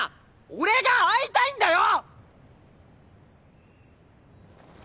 俺が会いたいんだよ！